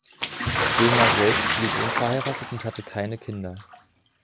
Böhmer selbst blieb unverheiratet und hatte keine Kinder.